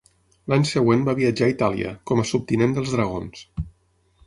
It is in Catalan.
L'any següent va viatjar a Itàlia, com a subtinent dels dragons.